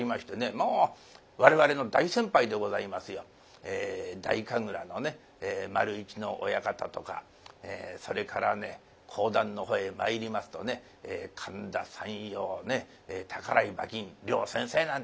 もう我々の大先輩でございますよ太神楽のね丸一の親方とかそれからね講談のほうへまいりますとね神田山陽宝井馬琴両先生なんてえのも強かったそうですね。